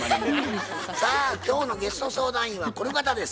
さあ今日のゲスト相談員はこの方です。